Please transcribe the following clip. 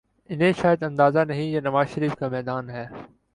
انہیں شاید اندازہ نہیں یہ نواز شریف کا میدان ہے۔